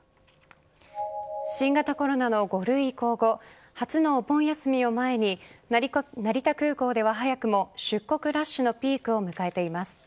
新型コロナの５類以降後初のお盆休みを前に成田空港では早くも出国ラッシュのピークを迎えています。